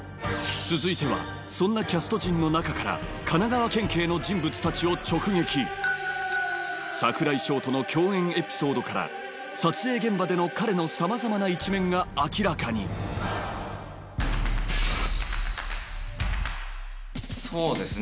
続いてはそんなキャスト陣の中から櫻井翔との共演エピソードから撮影現場での彼のさまざまな一面が明らかにそうですね